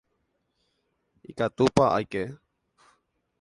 Ikatúpa aike.